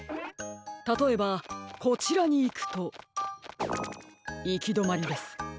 たとえばこちらにいくといきどまりです。